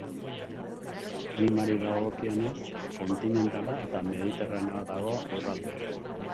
Klimari dagokionez, kontinentala eta mediterraneoa dago lurraldean.